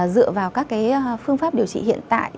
dựa vào các phương pháp điều trị hiện tại